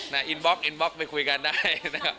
นะย์อินบ๊อกไปคุยกันได้